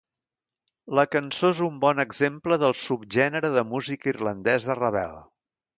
La cançó és un bon exemple del subgènere de música irlandesa rebel.